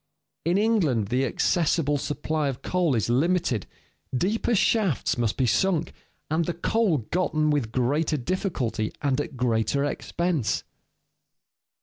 In England the accessible supply of coal is limited, deeper shafts must be sunk, and the coal gotten with greater difficulty and at greater expense.